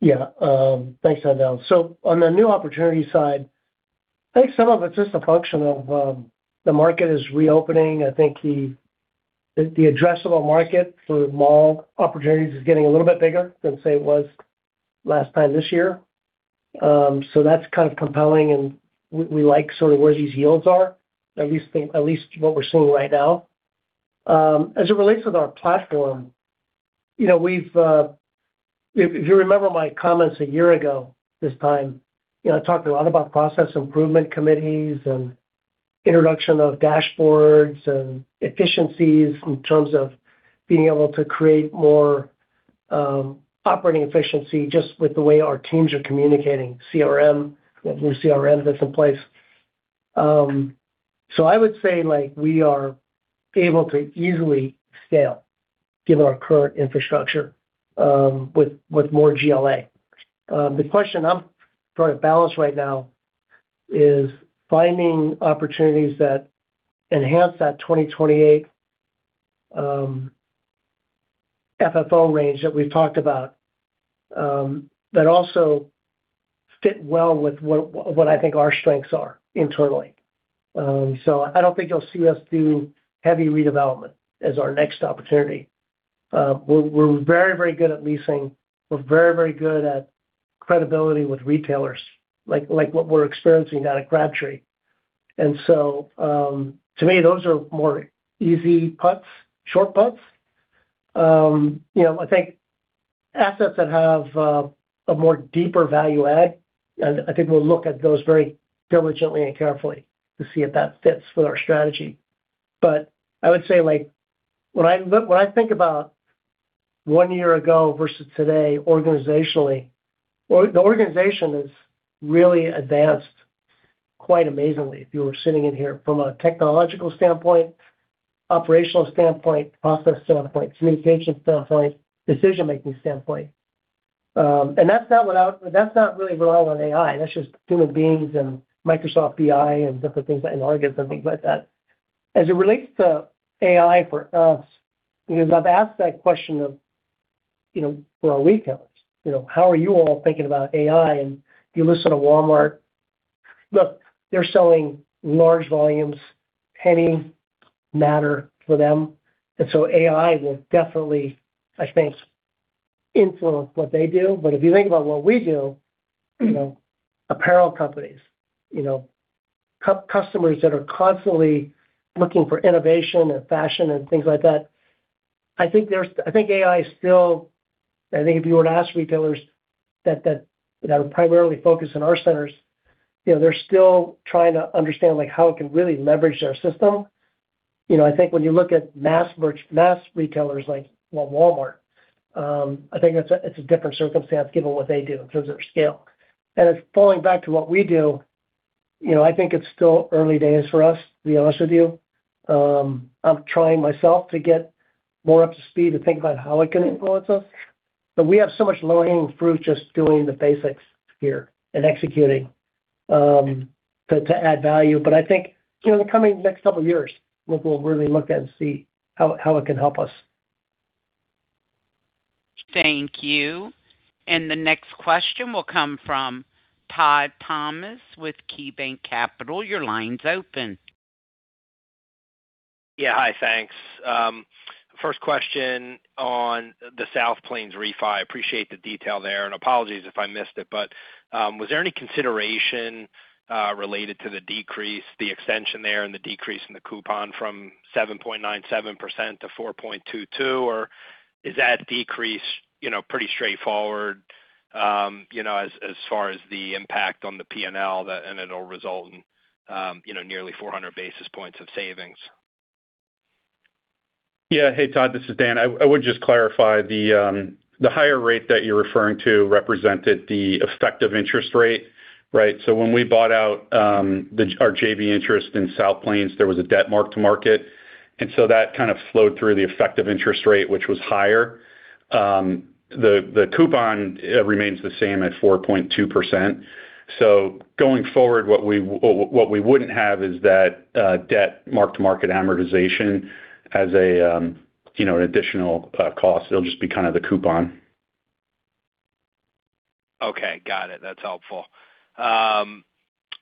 Yeah. Thanks, Haendel. On the new opportunity side, I think some of it's just a function of the market is reopening. I think the addressable market for mall opportunities is getting a little bit bigger than, say, it was last time this year. That's kind of compelling, and we like sort of where these yields are, at least what we're seeing right now. As it relates with our platform, you know, we've, if you remember my comments a year ago this time, you know, I talked a lot about process improvement committees and introduction of dashboards and efficiencies in terms of being able to create more operating efficiency, just with the way our teams are communicating. CRM, we have new CRM that's in place. So I would say, like, we are able to easily scale, given our current infrastructure, with more GLA. The question I'm trying to balance right now is finding opportunities that enhance that 2028 FFO range that we've talked about, that also fit well with what I think our strengths are internally. So I don't think you'll see us doing heavy redevelopment as our next opportunity. We're very, very good at leasing. We're very, very good at credibility with retailers, like, like what we're experiencing now at Crabtree. And so, to me, those are more easy putts, short putts. You know, I think assets that have a more deeper value add, and I think we'll look at those very diligently and carefully to see if that fits with our strategy. I would say, like, when I look—when I think about one year ago versus today, organizationally, the organization has really advanced quite amazingly if you were sitting in here from a technological standpoint, operational standpoint, process standpoint, communication standpoint, decision-making standpoint. That's not really reliable on AI. That's just human beings and Microsoft BI and different things like an org and things like that. As it relates to AI for us, because I've asked that question of, you know, for our retailers, you know, "How are you all thinking about AI?" If you listen to Walmart—look, they're selling large volumes, penny matter for them, and so AI will definitely, I think, influence what they do. But if you think about what we do, you know, apparel companies, you know, customers that are constantly looking for innovation and fashion and things like that, I think there's I think AI is still. I think if you were to ask retailers that are primarily focused on our centers, you know, they're still trying to understand, like, how it can really leverage their system. You know, I think when you look at mass retailers like, well, Walmart, I think it's a, it's a different circumstance given what they do because of their scale. And falling back to what we do, you know, I think it's still early days for us, to be honest with you. I'm trying myself to get more up to speed to think about how it can influence us. But we have so much low-hanging fruit just doing the basics here and executing to add value. But I think, you know, in the coming next couple of years, we'll really look at and see how it can help us. Thank you. And the next question will come from Todd Thomas with KeyBanc Capital. Your line's open. Yeah. Hi, thanks. First question on the South Plains refi. I appreciate the detail there, and apologies if I missed it, but was there any consideration related to the decrease, the extension there, and the decrease in the coupon from 7.97%-4.22%? Or is that decrease, you know, pretty straightforward, you know, as far as the impact on the P&L, that and it'll result in nearly 400 basis points of savings? Yeah. Hey, Todd, this is Dan. I would just clarify the higher rate that you're referring to represented the effective interest rate, right? So when we bought out our JV interest in South Plains, there was a debt mark-to-market, and so that kind of flowed through the effective interest rate, which was higher. The coupon remains the same at 4.2%. So going forward, what we wouldn't have is that debt mark-to-market amortization as a you know, an additional cost. It'll just be kind of the coupon. Okay, got it. That's helpful.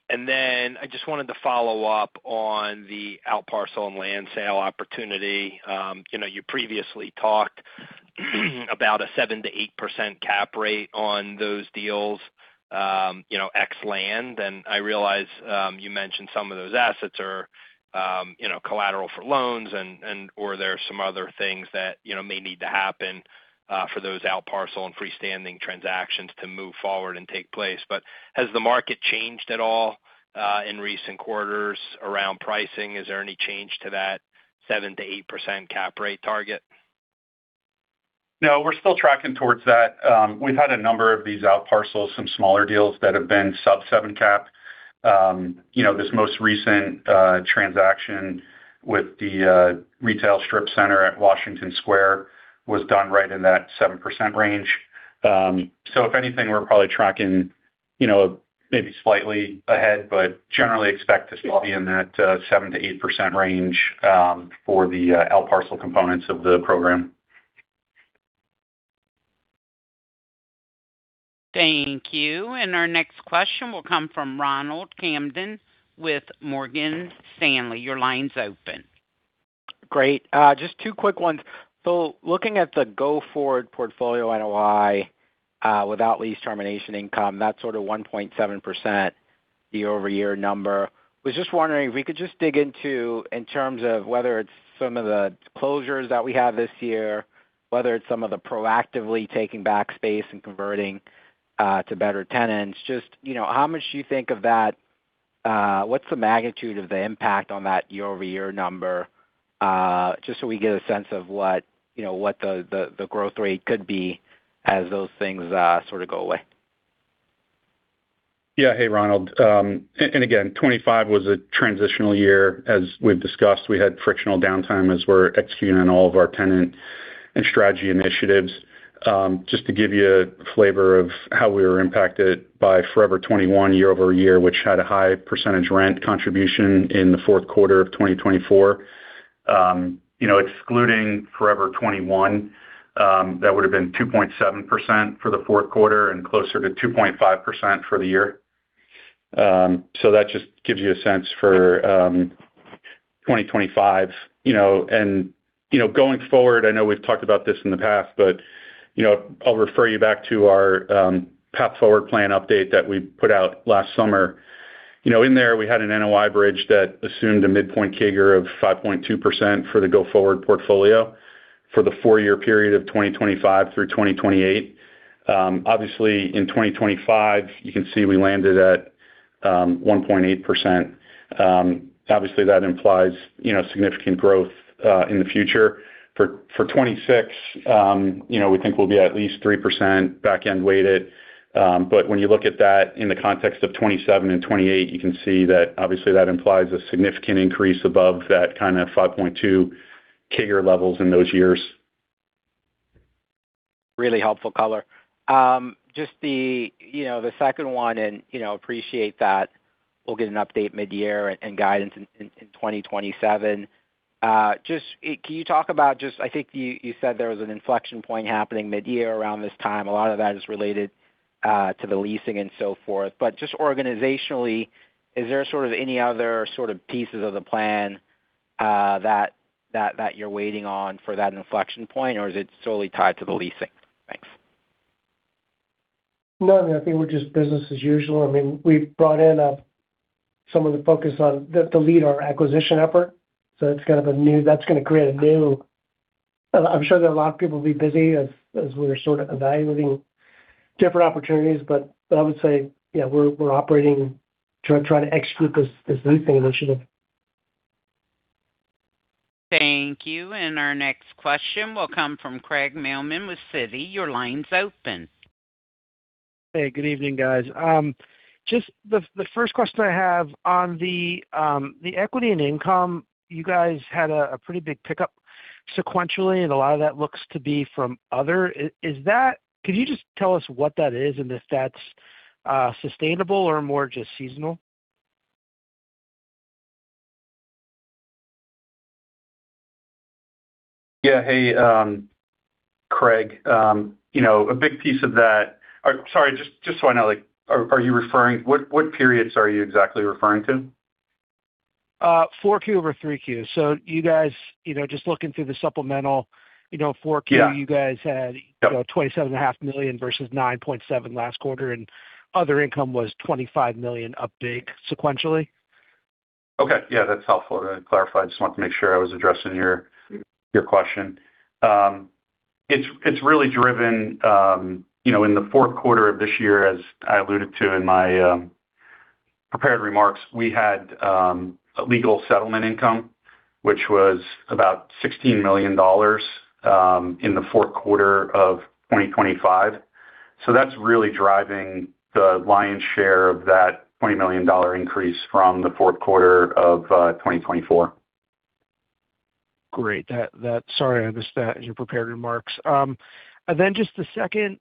And then I just wanted to follow up on the outparcel and land sale opportunity. You know, you previously talked about a 7%-8% cap rate on those deals, you know, ex land. And I realize you mentioned some of those assets are, you know, collateral for loans and or there are some other things that, you know, may need to happen for those outparcel and freestanding transactions to move forward and take place. But has the market changed at all in recent quarters around pricing? Is there any change to that 7%-8% cap rate target? No, we're still tracking towards that. We've had a number of these outparcels, some smaller deals that have been sub-seven cap. You know, this most recent transaction with the retail strip center at Washington Square was done right in that 7% range. So if anything, we're probably tracking, you know, maybe slightly ahead, but generally expect to still be in that 7%-8% range, for the outparcel components of the program. Thank you. And our next question will come from Ronald Kamdem with Morgan Stanley. Your line's open. Great. Just two quick ones. So looking at the go-forward portfolio NOI, without lease termination income, that sort of 1.7% year-over-year number. Was just wondering if we could just dig into, in terms of whether it's some of the closures that we have this year, whether it's some of the proactively taking back space and converting to better tenants. Just, you know, how much do you think of that, what's the magnitude of the impact on that year-over-year number? Just so we get a sense of what, you know, what the growth rate could be as those things sort of go away. Yeah. Hey, Ronald. Again, 25 was a transitional year. As we've discussed, we had frictional downtime as we're executing on all of our tenant and strategy initiatives. Just to give you a flavor of how we were impacted by Forever 21 year-over-year, which had a high percentage rent contribution in the fourth quarter of 2024. You know, excluding Forever 21, that would have been 2.7% for the fourth quarter and closer to 2.5% for the year. So that just gives you a sense for 2025, you know, and, you know, going forward, I know we've talked about this in the past, but, you know, I'll refer you back to our Path Forward Plan update that we put out last summer. You know, in there, we had an NOI bridge that assumed a midpoint CAGR of 5.2% for the go-forward portfolio for the four-year period of 2025 through 2028. Obviously, in 2025, you can see we landed at 1.8%. Obviously, that implies, you know, significant growth in the future. For 2026, you know, we think we'll be at least 3% back-end weighted. But when you look at that in the context of 2027 and 2028, you can see that obviously that implies a significant increase above that kind of 5.2 CAGR levels in those years. Really helpful color. Just the, you know, the second one and, you know, appreciate that we'll get an update mid-year and, and guidance in 2027. Just, can you talk about just - I think you, you said there was an inflection point happening mid-year around this time. A lot of that is related to the leasing and so forth. But just organizationally, is there sort of any other sort of pieces of the plan that, that, that you're waiting on for that inflection point, or is it solely tied to the leasing? Thanks. No, I mean, I think we're just business as usual. I mean, we've brought in some of the focus on, the, to lead our acquisition effort, so it's kind of a new... That's gonna create a new-- I'm sure that a lot of people will be busy as, as we're sort of evaluating different opportunities. I would say, yeah, we're, we're operating, trying, trying to execute this, this leasing initiative. Thank you. And our next question will come from Craig Mailman with Citi. Your line's open. Hey, good evening, guys. Just the first question I have on the equity and income, you guys had a pretty big pickup sequentially, and a lot of that looks to be from other. Is that— Can you just tell us what that is and if that's sustainable or more just seasonal? Yeah. Hey, Craig, you know, a big piece of that. Sorry, just so I know, like, are you referring? What periods are you exactly referring to? 4Q over 3Q. So you guys, you know, just looking through the supplemental, you know, 4Q- Yeah. You guys had Yep. $27.5 million versus $9.7 million last quarter, and other income was $25 million up big sequentially. Okay. Yeah, that's helpful. To clarify, I just want to make sure I was addressing your, your question. It's, it's really driven, you know, in the fourth quarter of this year, as I alluded to in my, prepared remarks, we had, a legal settlement income, which was about $16 million, in the fourth quarter of 2025. So that's really driving the lion's share of that $20 million increase from the fourth quarter of, 2024. Great. Sorry, I missed that in your prepared remarks. And then just the second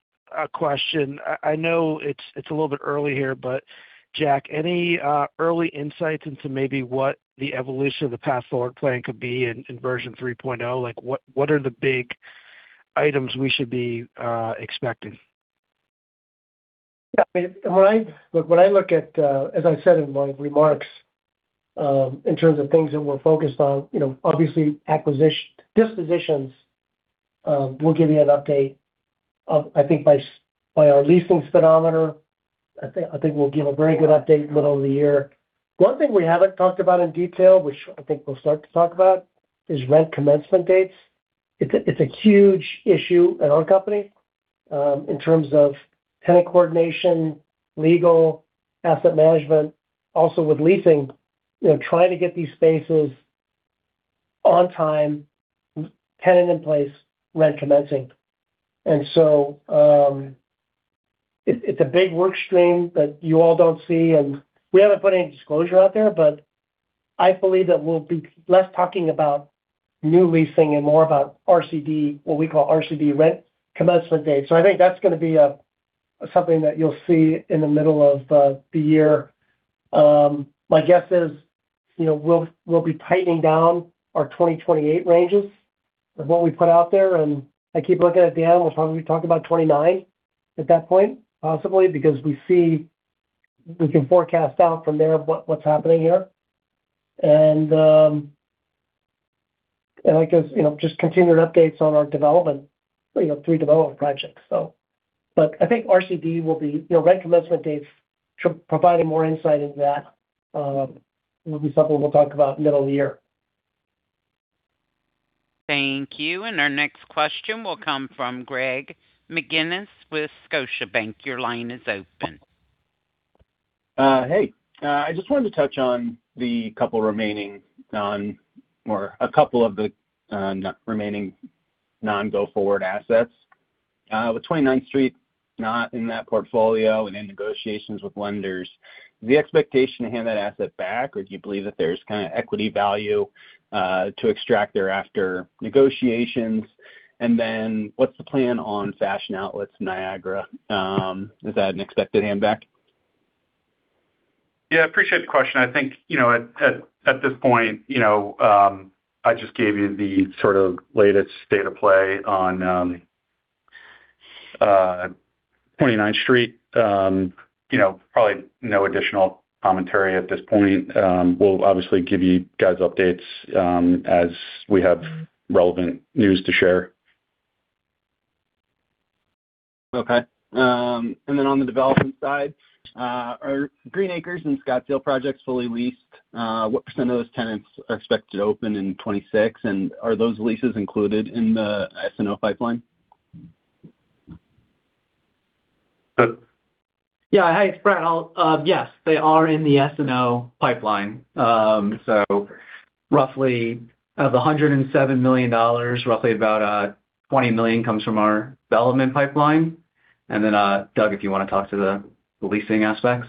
question. I know it's a little bit early here, but Jack, any early insights into maybe what the evolution of the Path Forward Plan could be in version 3.0? Like, what are the big items we should be expecting? Yeah, I mean, when I-- Look, when I look at, as I said in my remarks, in terms of things that we're focused on, you know, obviously, acquisition, dispositions, we'll give you an update of, I think, by s- by our Leasing Speedometer. I think, I think we'll give a very good update middle of the year. One thing we haven't talked about in detail, which I think we'll start to talk about, is rent commencement dates. It's a, it's a huge issue at our company, you know, in terms of tenant coordination, legal, asset management, also with leasing, you know, trying to get these spaces on time, tenant in place, rent commencing. And so, it's a big work stream that you all don't see, and we haven't put any disclosure out there, but I believe that we'll be less talking about new leasing and more about RCD, what we call RCD, Rent Commencement Date. So I think that's gonna be a something that you'll see in the middle of the year. My guess is, you know, we'll be tightening down our 2028 ranges of what we put out there, and I keep looking at the end, we'll probably be talking about 2029 at that point, possibly, because we see we can forecast out from there what what's happening here. And I guess, you know, just continued updates on our development, you know, three development projects. But I think RCD will be, you know, rent commencement dates providing more insight into that, will be something we'll talk about middle of the year. Thank you. And our next question will come from Greg McGinniss with Scotiabank. Your line is open. Hey, I just wanted to touch on a couple of the remaining non-go-forward assets. With Twenty Ninth Street, not in that portfolio and in negotiations with lenders, is the expectation to hand that asset back, or do you believe that there's kind of equity value to extract after negotiations? And then what's the plan on Fashion Outlets in Niagara? Is that an expected hand back? Yeah, I appreciate the question. I think, you know, at this point, you know, I just gave you the sort of latest state of play on Twenty Ninth Street. You know, probably no additional commentary at this point. We'll obviously give you guys updates as we have relevant news to share. Okay. And then on the development side, are Green Acres and Scottsdale projects fully leased? What % of those tenants are expected to open in 2026, and are those leases included in the SNO pipeline? Yeah. Hey, it's Brad. Yes, they are in the SNO pipeline. So roughly of the $107 million, roughly about $20 million comes from our development pipeline. And then, Doug, if you want to talk to the leasing aspects.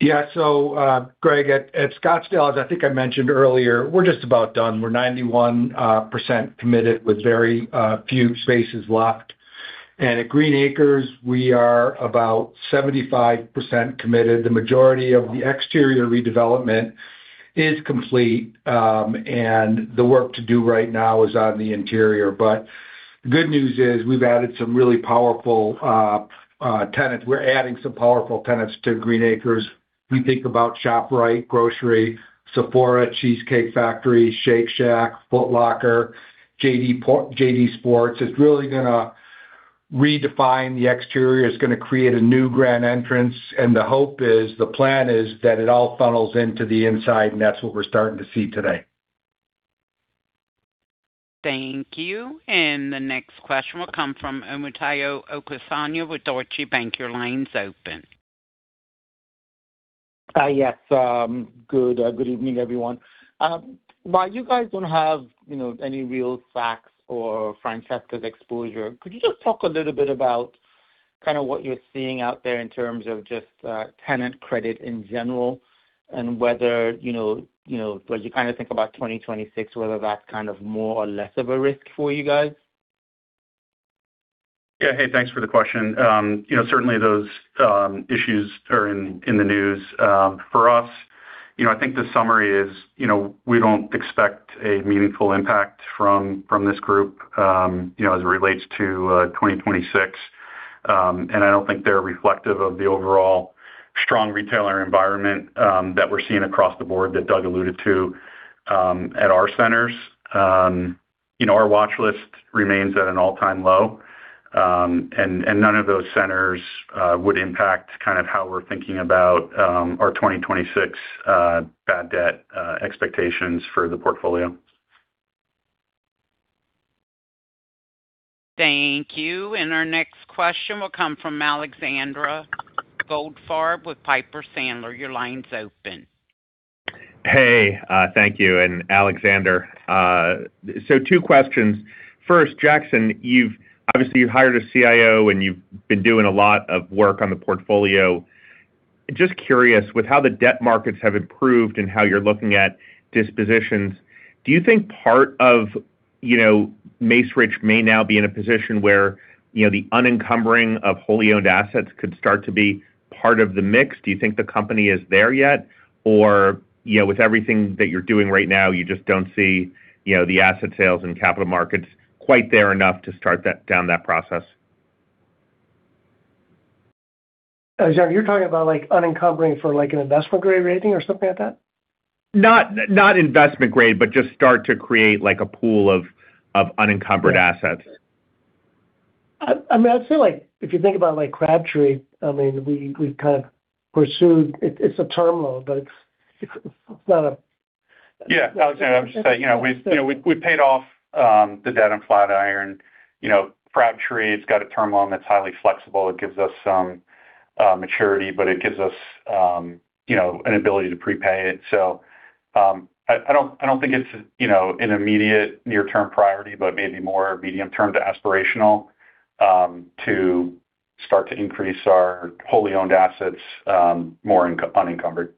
Yeah. So, Greg, at Scottsdale, as I think I mentioned earlier, we're just about done. We're 91% committed, with very few spaces left. And at Green Acres, we are about 75% committed. The majority of the exterior redevelopment is complete, and the work to do right now is on the interior. But the good news is we've added some really powerful tenants. We're adding some powerful tenants to Green Acres. We think about ShopRite, grocery, Sephora, Cheesecake Factory, Shake Shack, Foot Locker, JD Sports. It's really gonna redefine the exterior. It's gonna create a new grand entrance, and the hope is, the plan is that it all funnels into the inside, and that's what we're starting to see today. Thank you. And the next question will come from Omotayo Okusanya with Deutsche Bank. Your line is open. Yes. Good evening, everyone. While you guys don't have, you know, any real facts or Francesca's exposure, could you just talk a little bit about kind of what you're seeing out there in terms of just, tenant credit in general, and whether, you know, you know, as you kind of think about 2026, whether that's kind of more or less of a risk for you guys? Yeah. Hey, thanks for the question. You know, certainly those issues are in the news. For us, you know, I think the summary is, you know, we don't expect a meaningful impact from this group, you know, as it relates to 2026. And I don't think they're reflective of the overall strong retailer environment that we're seeing across the board that Doug alluded to at our centers. You know, our watch list remains at an all-time low, and none of those centers would impact kind of how we're thinking about our 2026 bad debt expectations for the portfolio. Thank you. And our next question will come from Alexander Goldfarb with Piper Sandler. Your line's open. Hey, thank you, and Alexander. So two questions. First, Jackson, you've obviously hired a CIO, and you've been doing a lot of work on the portfolio. Just curious, with how the debt markets have improved and how you're looking at dispositions, do you think part of, you know, Macerich may now be in a position where, you know, the unencumbering of wholly owned assets could start to be part of the mix? Do you think the company is there yet? Or, you know, with everything that you're doing right now, you just don't see, you know, the asset sales and capital markets quite there enough to start down that process? Alex, you're talking about, like, unencumbering for, like, an investment grade rating or something like that? Not investment grade, but just start to create, like, a pool of unencumbered assets. I mean, I feel like if you think about, like, Crabtree, I mean, we kind of pursued it. It's a term loan, but it's not a- Yeah, Alexander, I would say, you know, we, you know, we paid off the debt on Flatiron. You know, Crabtree, it's got a term loan that's highly flexible. It gives us some maturity, but it gives us, you know, an ability to prepay it. I don't think it's, you know, an immediate near-term priority, but maybe more medium-term to aspirational, to start to increase our wholly owned assets, more unencumbered.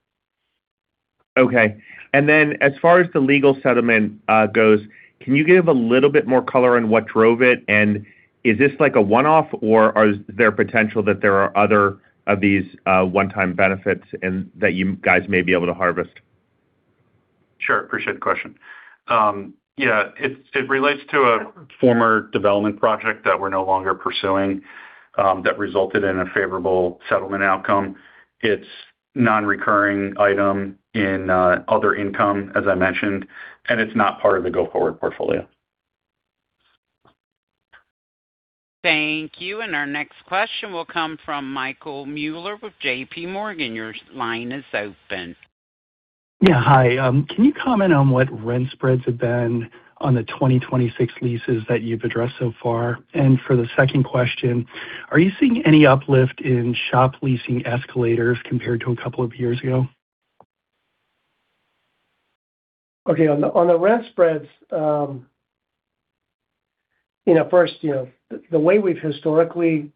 Okay. And then as far as the legal settlement, goes, can you give a little bit more color on what drove it? And is this like a one-off, or is there potential that there are other of these, one-time benefits and that you guys may be able to harvest? Sure. Appreciate the question. Yeah, it relates to a former development project that we're no longer pursuing that resulted in a favorable settlement outcome. It's nonrecurring item in, other income, as I mentioned, and it's not part of the go-forward portfolio. Thank you. And our next question will come from Michael Mueller with JPMorgan. Your line is open. Yeah, hi. Can you comment on what rent spreads have been on the 2026 leases that you've addressed so far? And for the second question, are you seeing any uplift in shop leasing escalators compared to a couple of years ago? Okay, on the, on the rent spreads, you know, first, you know, the way we've historically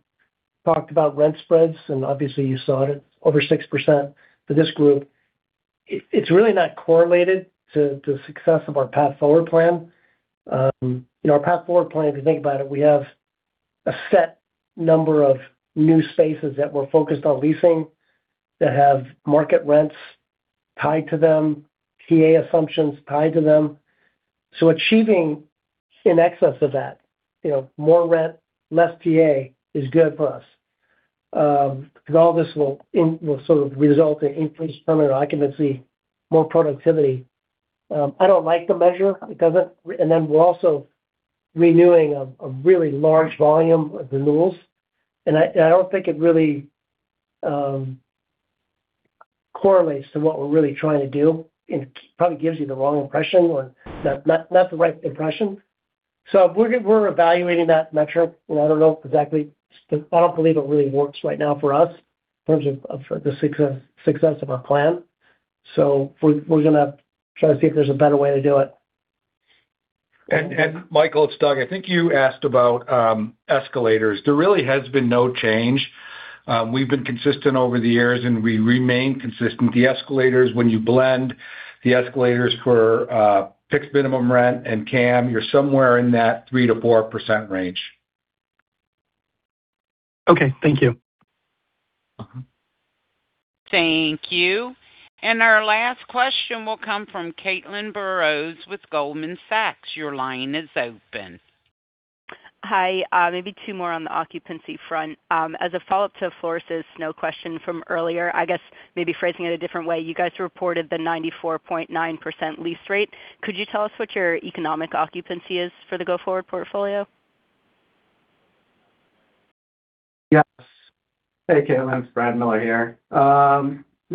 talked about rent spreads, and obviously, you saw it, over 6% for this group, it's, it's really not correlated to, to the success of our Path Forward plan. You know, our Path Forward plan, if you think about it, we have a set number of new spaces that we're focused on leasing, that have market rents tied to them, TA assumptions tied to them. So achieving in excess of that, you know, more rent, less TA, is good for us. Because all this will in- will sort of result in increased tenant occupancy, more productivity. I don't like the measure, it doesn't and then we're also renewing a, a really large volume of renewals. And I don't think it really correlates to what we're really trying to do. It probably gives you the wrong impression or not the right impression. So we're evaluating that metric, and I don't know exactly. I don't believe it really works right now for us in terms of the success of our plan. So we're gonna try to see if there's a better way to do it. Michael, it's Doug. I think you asked about escalators. There really has been no change. We've been consistent over the years, and we remain consistent. The escalators, when you blend the escalators for fixed minimum rent and CAM, you're somewhere in that 3%-4% range. Okay, thank you. Thank you. And our last question will come from Caitlin Burrows with Goldman Sachs. Your line is open. Hi. Maybe two more on the occupancy front. As a follow-up to Floris's SNO question from earlier, I guess maybe phrasing it a different way, you guys reported the 94.9% lease rate. Could you tell us what your economic occupancy is for the go-forward portfolio? Yes. Hey, Caitlin, it's Brad Miller here. Yeah,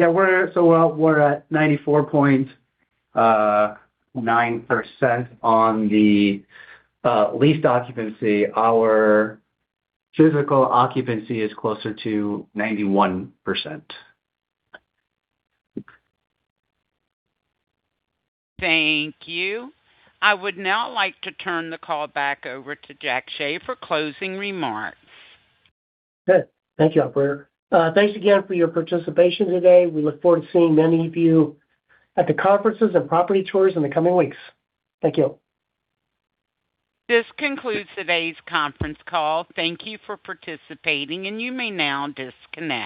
we're at 94.9% on the leased occupancy. Our physical occupancy is closer to 91%. Thank you. I would now like to turn the call back over to Jack Hsieh for closing remarks. Good. Thank you, operator. Thanks again for your participation today. We look forward to seeing many of you at the conferences and property tours in the coming weeks. Thank you. This concludes today's conference call. Thank you for participating, and you may now disconnect.